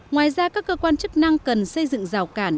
ngoài ra các cơ quan chức năng cần xây dựng rào cản